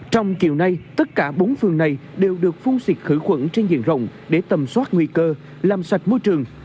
trong kiểu này tất cả bốn phường này đều được phun xịt khử khuẩn trên diện rồng để tầm soát nguy cơ làm soát môi trường